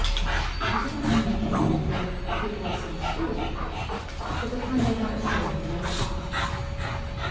(I do not mean the cake they call "good, wholesome school cake," but the kind they have at home when there is a party.)